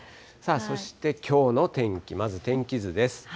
そしてきょうの天気、まず天気図です。